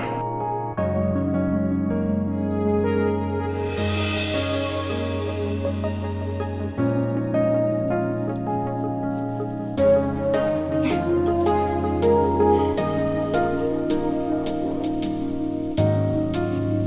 sini kita mulai mencoba